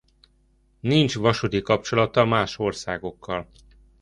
Nincs vasúti kapcsolata más országokkal.